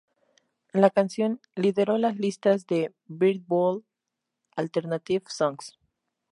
La canción lideró las listas de "Billboard" Alternative Songs.